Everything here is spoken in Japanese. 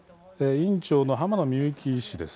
院長の浜野美幸医師です。